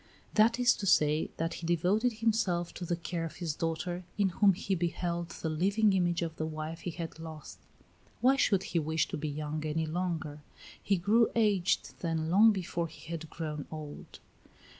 That is to say, that he devoted himself to the care of his daughter, in whom he beheld the living image of the wife he had lost. Why should he wish to be young any longer? He grew aged then long before he had grown old.